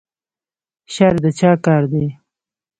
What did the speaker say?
شر د چا کار دی؟